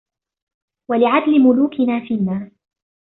وَلِعَدْلِ مُلُوكِنَا فِينَا